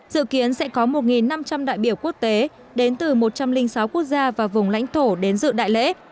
dự kiến sẽ có một năm trăm linh đại biểu quốc tế đến từ một trăm linh sáu quốc gia và vùng lãnh thổ đến dự đại lễ